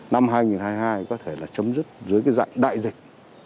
năm hai nghìn hai mươi hai có thể là chấm dứt dưới cái dạng đại dịch